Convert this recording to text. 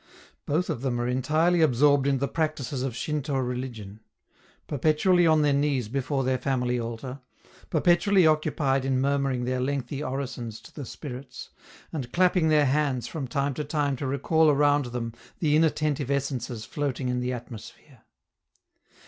Both of them are entirely absorbed in the practices of Shinto religion: perpetually on their knees before their family altar, perpetually occupied in murmuring their lengthy orisons to the spirits, and clapping their hands from time to time to recall around them the inattentive essences floating in the atmosphere.